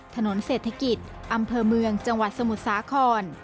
ถนนเศรษฐกิจอำเภอเมืองจังหวัดสมุทรสาคร